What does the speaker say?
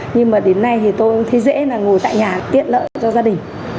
nhưng mà đến nay thì tôi thấy dễ là ngồi tại nhà tiện lợi cho gia đình